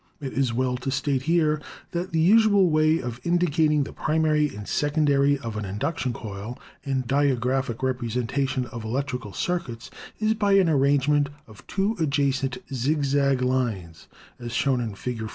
It is well to state here that the usual way of indicating the primary and secondary of an induction coil in diagraphic representation of electrical circuits is by an arrangement of two adjacent zigzag lines, as shown in Fig.